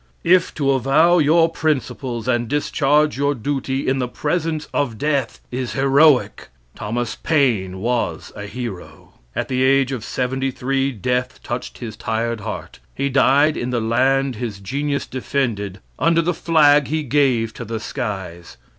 If to avow your principles and discharge your duty in the presence of death is heroic, Thomas Paine was a hero. At the age of 73, death touched his tired heart. He died in the land his genius defended, under the flag he gave to the skies.